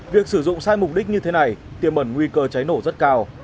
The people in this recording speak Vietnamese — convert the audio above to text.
việc sử dụng sai mục đích như thế này tiềm ẩn nguy cơ cháy nổ rất cao